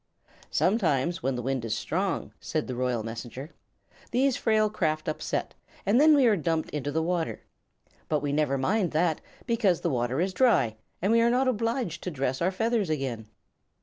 "Sometimes, when the wind is strong," said the Royal Messenger, "these frail craft upset, and then we are dumped into the water. But we never mind that, because the water is dry and we are not obliged to dress our feathers again."